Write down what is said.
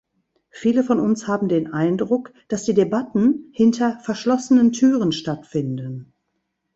Viele von uns haben den Eindruck, dass die Debatten hinter verschlossenen Türen stattfinden.